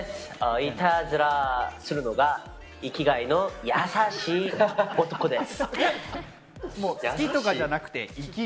いたずらするのが生きがいの優しい男です。